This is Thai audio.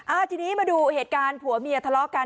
ทีนี้มาดูเหตุการณ์ผัวเมียทะเลาะกัน